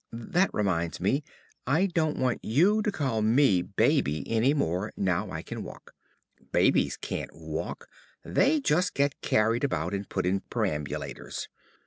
That reminds me, I don't want you to call me "Baby" any more now I can walk. Babies can't walk, they just get carried about and put in perambulators.